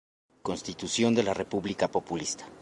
Constitución de la República Populista.